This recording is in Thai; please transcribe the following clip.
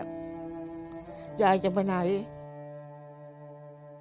ทำงานชื่อนางหยาดฝนภูมิสุขอายุ๕๔ปี